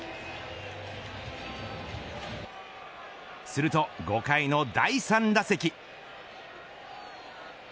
すると５回の第３打席。